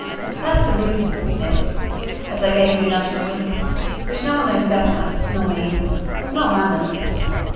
That's the reason, miss, as I gave you a nudge and a wink, which no one knows better nor me was not manners."